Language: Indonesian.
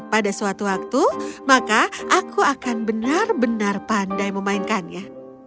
pada suatu waktu maka aku akan benar benar pandai memainkannya